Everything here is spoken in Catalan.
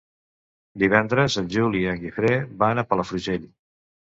Divendres en Juli i en Guifré van a Palafrugell.